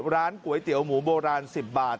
ร้านก๋วยเตี๋ยวหมูโบราณ๑๐บาท